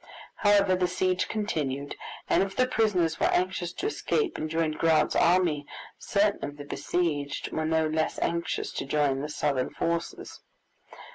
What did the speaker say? However, the siege continued; and if the prisoners were anxious to escape and join Grant's army, certain of the besieged were no less anxious to join the Southern forces.